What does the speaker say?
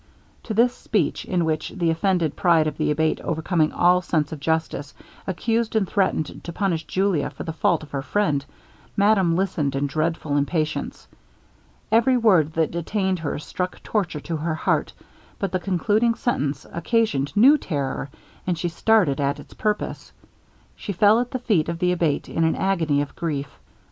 To this speech, in which the offended pride of the Abate overcoming all sense of justice, accused and threatened to punish Julia for the fault of her friend, madame listened in dreadful impatience. Every word that detained her struck torture to her heart, but the concluding sentence occasioned new terror, and she started at its purpose. She fell at the feet of the Abate in an agony of grief.